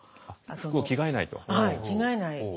服を着替えないと。